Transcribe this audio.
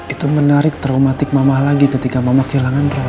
itu menarik traumatik mama lagi ketika mama kehilangan roy